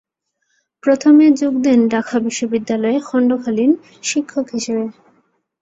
প্রথমে যোগ দেন ঢাকা বিশ্ববিদ্যালয়ে খণ্ডকালীন শিক্ষক হিসেবে।